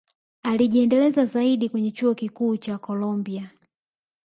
alijiendeleza zaidi kwenye chuo Kikuu cha colombia